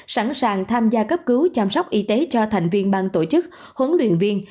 sẵn sàng tham gia cấp cứu chăm sóc y tế cho thành viên ban tổ chức huấn luyện viên